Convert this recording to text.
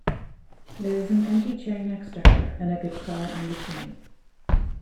There is an empty chair next to her and a guitar in between.